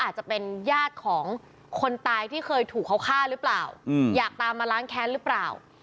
อาจจะเป็นญาติของคนตายที่เคยถูกเขาฆ่าหรือเปล่าอยากตามมาล้างแค้นหรือเปล่า